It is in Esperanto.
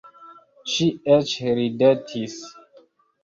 Ŝi eĉ ridetis.